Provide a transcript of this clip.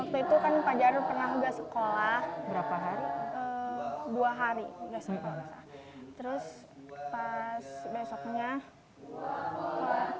waktu itu kan fajar pernah tidak sekolah